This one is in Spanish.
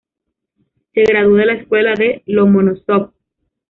Se graduó de la Escuela de Lomonosov.